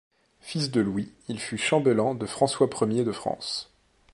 Fils de Louis, il fut chambellan de François Ier de France.